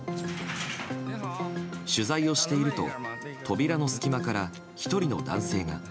取材をしていると扉の隙間から１人の男性が。